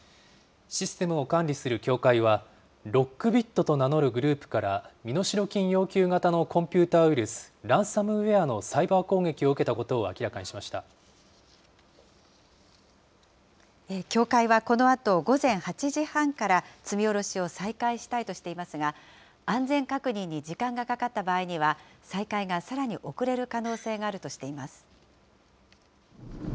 システムを管理する協会は、ロックビットと名乗るグループから、身代金要求型のコンピューターウイルス、ランサムウエアのサイバー攻撃を受けたことを明らか協会はこのあと午前８時半から積み降ろしを再開したいとしていますが、安全確認に時間がかかった場合には、再開がさらに遅れる可能性があるとしています。